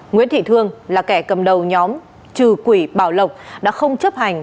nguyễn thị thương là kẻ cầm đầu nhóm trừ quỷ bảo lộc đã không chấp hành